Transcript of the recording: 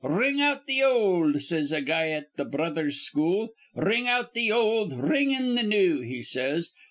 'Ring out th' old,' says a guy at th' Brothers' School. 'Ring out th' old, ring in th' new,' he says.